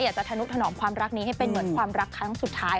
ธนุถนอมความรักนี้ให้เป็นเหมือนความรักครั้งสุดท้าย